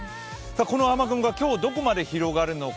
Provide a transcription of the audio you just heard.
この雨雲が今日、どこまで広がるのか